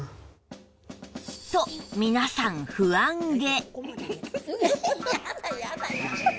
と皆さん不安げ